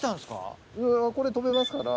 これ飛べますから。